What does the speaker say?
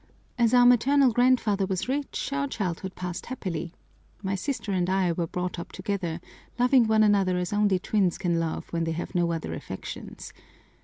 As our maternal grandfather was rich our childhood passed happily. My sister and I were brought up together, loving one another as only twins can love when they have no other affections.